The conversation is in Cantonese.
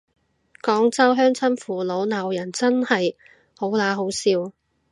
廣州鄉親父老鬧人真係好嗱好笑